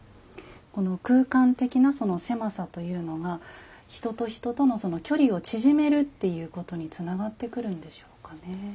この空間的なその狭さというのが人と人とのその距離を縮めるっていうことにつながってくるんでしょうかね。